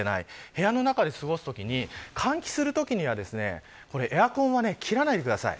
部屋の中で過ごすときに換気するときにはエアコンは切らないでください。